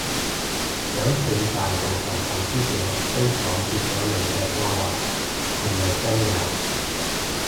有傳大部份投資者都否決咗你嘅方案，係咪真嘅？